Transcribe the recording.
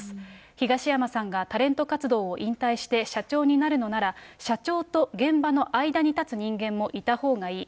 東山さんがタレント活動を引退して、社長になるのなら、社長と現場の間に立つ人間もいたほうがいい。